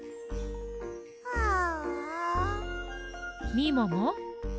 みもも。